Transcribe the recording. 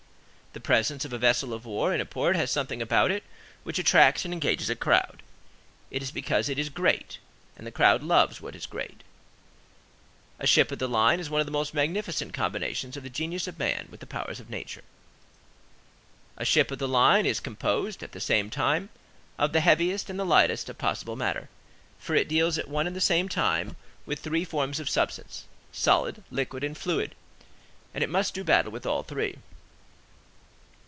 The presence of a vessel of war in a port has something about it which attracts and engages a crowd. It is because it is great, and the crowd loves what is great. A ship of the line is one of the most magnificent combinations of the genius of man with the powers of nature. A ship of the line is composed, at the same time, of the heaviest and the lightest of possible matter, for it deals at one and the same time with three forms of substance,—solid, liquid, and fluid,—and it must do battle with all three.